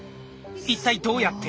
一体どうやって？